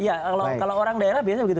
ya kalau orang daerah biasa begitu